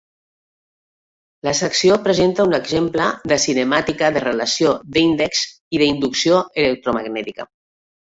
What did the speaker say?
La secció presenta un exemple de cinemàtica de relació d'índexs i d'inducció electromagnètica.